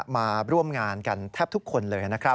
มาร่วมงานกันแทบทุกคนเลยนะครับ